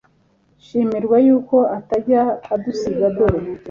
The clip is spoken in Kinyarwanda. shimirwa y'uko utajya udusiga, dore